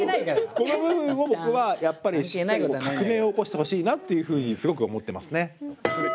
この部分を僕はやっぱり革命を起こしてほしいなっていうふうにすごく思ってますね。